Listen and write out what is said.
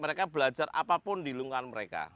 mereka bisa belajar apa pun di lungkungan mereka